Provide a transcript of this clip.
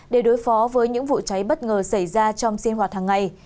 để đối phó với những vụ cháy bất ngờ xảy ra trong sinh hoạt hàng ngày